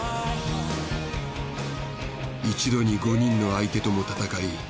一度に５人の相手とも戦い